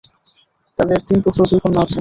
তাদের তিন পুত্র ও দুই কন্যা আছে।